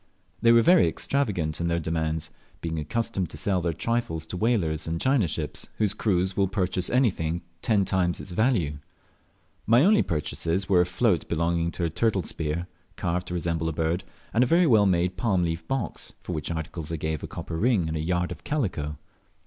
They were very extravagant in their demands, being accustomed to sell their trifles to whalers and China ships, whose crews will purchase anything at ten times its value. My only purchases were a float belonging to a turtle spear, carved to resemble a bird, and a very well made palm leaf box, for which articles I gave a copper ring and a yard of calico.